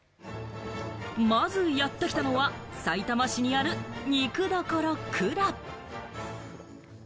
まずやってきたのは、さいたま市にある肉処ＫＵＲＡ。